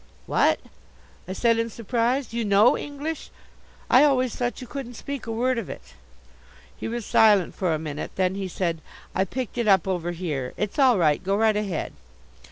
"What!" I said in surprise. "You know English? I always thought you couldn't speak a word of it." He was silent for a minute. Then he said: "I picked it up over here. It's all right. Go right ahead."